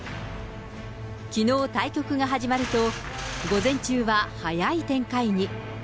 きのう、対局が始まると、午前中は早い展開に。